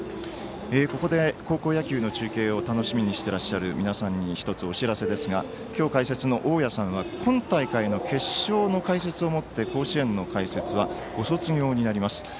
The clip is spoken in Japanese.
ここで高校野球の中継を楽しみにしてらっしゃる皆さんに１つお知らせですがきょう、解説の大矢さんは今大会の決勝の解説をもって甲子園の解説はご卒業になります。